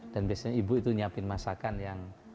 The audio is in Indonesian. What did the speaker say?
dan biasanya ibu itu nyiapin masakan yang